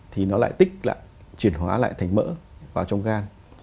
thì nó lại tích lại chuyển hóa lại thành mỡ vào trong gan